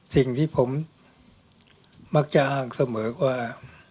สิ่งที่ผมมักจะอ้างเสมอว่า